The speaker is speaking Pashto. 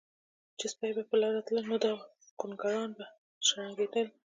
چې سپي به پۀ لاره تلل نو دا ګونګروګان به شړنګېدل